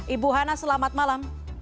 ibu hana selamat malam